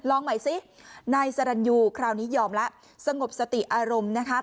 ใหม่สินายสรรยูคราวนี้ยอมแล้วสงบสติอารมณ์นะคะ